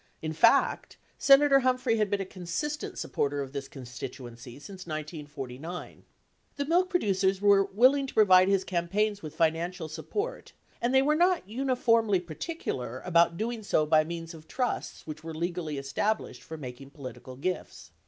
In fact Senator Humphrey had been a consistent supporter of this constituency since 1949. The milk producers were willing to pro vide his campaigns with financial support, and they were not uni formly particular about doing so by means of trusts which were legally established for making political gifts.